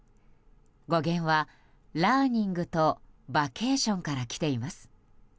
語源はラーニングとバケーションから来ています。